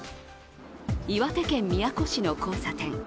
岩手県宮古市の交差点。